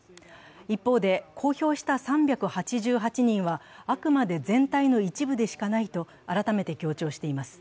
一方で、公表した３８８人はあくまで全体の一部でしかないと改めて強調しています。